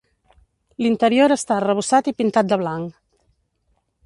L'interior està arrebossat i pintat de blanc.